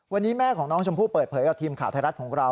วันนี้แม่ของน้องชมพู่เปิดเผยกับทีมข่าวไทยรัฐของเรา